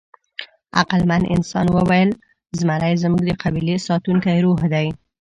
عقلمن انسان وویل: «زمری زموږ د قبیلې ساتونکی روح دی».